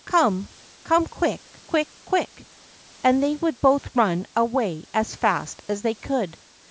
Come; come quick, quick, quick!" And they would both run away as fast as they could.